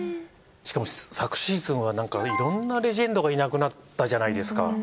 しかも昨シーズンはいろんなレジェンドがいなくなったじゃないですか。